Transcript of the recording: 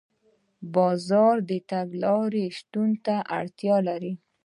بازار د تګلارې شتون ته اړتیا لري.